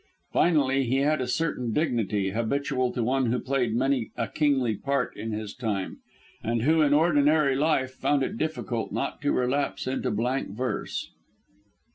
Finally, he had a certain dignity, habitual to one who had played many a kingly part in his time, and who in ordinary life found it difficult not to relapse into blank verse.